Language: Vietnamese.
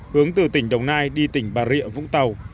hướng từ tỉnh đồng nai đi tỉnh bà rịa vũng tàu